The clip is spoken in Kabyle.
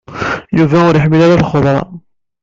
Yuba ur iḥemmel ara lxeḍra.